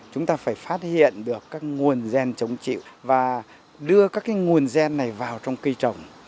chúng ta phải phát hiện được các nguồn gen chống chịu và đưa các cái nguồn gen này vào trong cây trồng